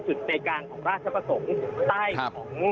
ในการของราชประสงค์ใต้ของ